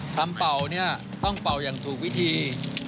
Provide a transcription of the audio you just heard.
เป่าเนี่ยต้องเป่าอย่างถูกวิธี